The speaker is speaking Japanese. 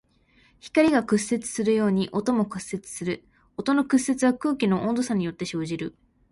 光が屈折するように音も屈折する。音の屈折は空気の温度差によって生じる。